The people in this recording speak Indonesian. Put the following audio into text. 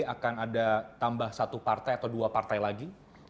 akan ada tambah satu partai atau dua partai lagi